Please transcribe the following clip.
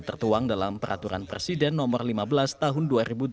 tertuang dalam peraturan presiden nomor lima belas tahun dua ribu delapan belas